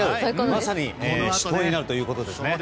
まさに死闘になるということですね。